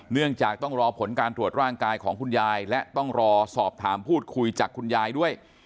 เนื่องจากต้องรอผลการตรวจร่างกายของคุณยายและต้องรอสอบถามพูดคุยจากคุณยายด้วย